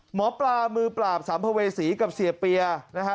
หมอปลามือปราบสัมภเวษีกับเสียเปียนะฮะ